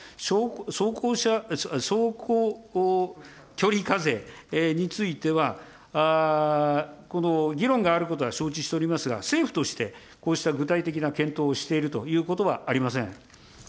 走行距離課税については、この議論があることは承知しておりますが、政府として、こうした具体的な検討をしているということはありません。